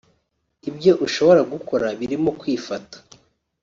Ibyo ushobora gukora birimo kwifata